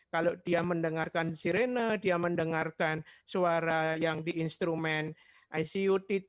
kalau dia mendengarkan sirene dia mendengarkan suara yang di instrumen icu